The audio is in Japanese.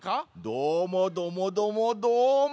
どーもどもどもどーもども！